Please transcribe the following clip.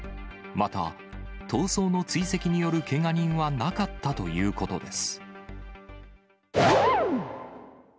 また、逃走の追跡によるけが人はなかったということです。